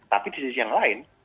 tapi di sisi yang lain